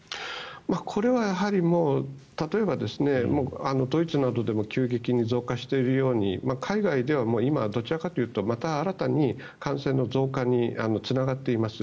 これはやはり例えばドイツなどでも急激に増加しているように海外では今、どちらかというとまた新たに感染の増加につながっています。